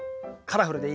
カラフルで。